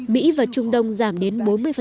mỹ và trung đông giảm đến bốn mươi